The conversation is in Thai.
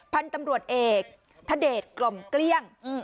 พันธุ์ตำรวจเอกทเดชกล่อมเกลี้ยง